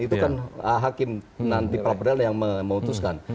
itu kan hakim nanti praperal yang memutuskan